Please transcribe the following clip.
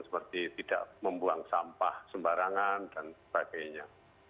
seperti tidak membuang sampah sembarangan dan sebagainya